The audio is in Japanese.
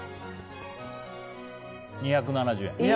２７０円。